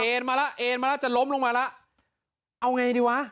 มาแล้วเอ็นมาแล้วจะล้มลงมาแล้วเอาไงดีวะ